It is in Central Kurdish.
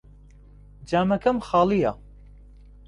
جامەکەم خاڵییە.